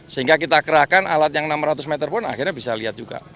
sehingga kita kerahkan alat yang enam ratus meter pun akhirnya bisa lihat juga